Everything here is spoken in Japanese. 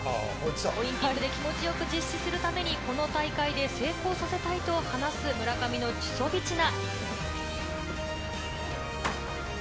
オリンピックで気持ちよく実施するために、この大会で成功させたいと話す村上のチュソビチナ。